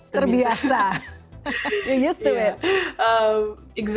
terbiasa kamu sudah selesai